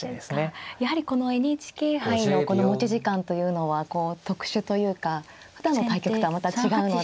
やはりこのＮＨＫ杯の持ち時間というのはこう特殊というかふだんの対局とはまた違うので。